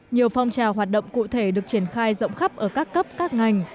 nhiều phong trào hoạt động cụ thể được triển khai rộng khắp ở các cấp các ngành